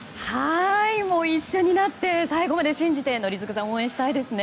一緒になって最後まで信じて宜嗣さん、応援したいですね。